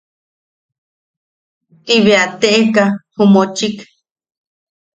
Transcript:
Ti bea teʼeka ju mochik.